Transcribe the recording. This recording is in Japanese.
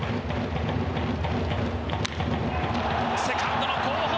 セカンドの後方。